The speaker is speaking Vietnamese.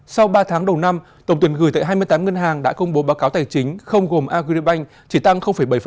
sau ba tháng đầu năm tổng tiền gửi tại hai mươi tám ngân hàng đã công bố báo cáo tài chính không gồm agribank chỉ tăng bảy